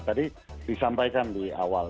tadi disampaikan di awal